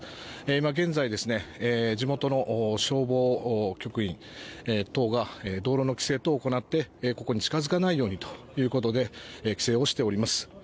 今現在、地元の消防局員等が道路の規制等を行ってここに近づかないようにということで規制をしております。